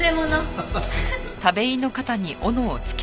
ハハハッ。